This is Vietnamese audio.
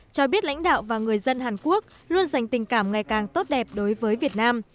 cho biết lãnh đạo và người dân hàn quốc luôn dành tình cảm ngày càng tốt đẹp đối với việt nam